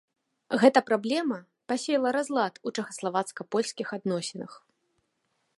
Гэта праблема пасеяла разлад у чэхаславацка-польскіх адносінах.